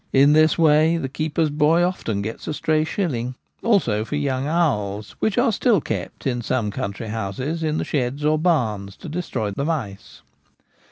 In this way the keeper's boy often gets a stray shilling ; also for young owls, which are still kept in some country houses, in the sheds or barns, to destroy the mice.